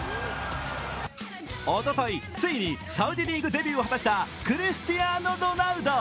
おととい、ついにサウジデビューを果たしたクリスチアーノ・ロナウド。